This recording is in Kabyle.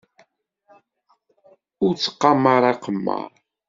Ur ttqamar aqemmar.